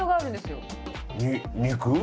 肉？